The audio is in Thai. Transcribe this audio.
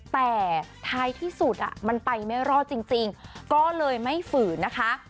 แต่ท้ายที่สุดมันไปไม่รอดจริงก็เลยไม่ฝืนนะคะ